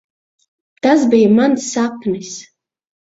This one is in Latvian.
Tas bija mans sapnis.